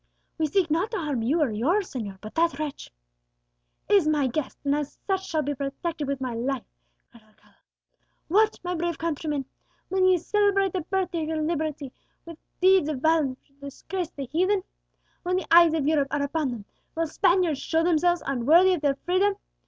"We seek not to harm you or yours, señor, but that wretch " "Is my guest, and as such shall be protected with my life!" cried Alcala. "What, my brave countrymen! will ye celebrate the birthday of your liberty with deeds of violence which would disgrace the heathen? When the eyes of Europe are upon them, will Spaniards show themselves unworthy of their freedom?